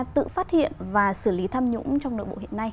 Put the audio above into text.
tự phát hiện và xử lý tham nhũng trong nội bộ hiện nay